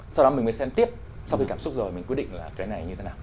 sau đó mình mới xem tiếp sau khi cảm xúc rồi mình quyết định là cái này như thế nào